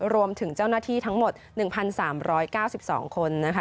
รวมถึงเจ้าหน้าที่ทั้งหมด๑๓๙๒คนนะคะ